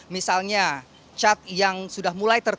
misalnya cat yang sudah mulai terkenal